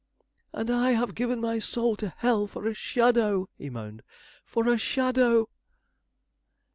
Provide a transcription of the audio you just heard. "And I have given my soul to hell for a shadow!" he moaned, "for a shadow!"